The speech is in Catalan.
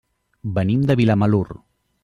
Venim de Vilamalur.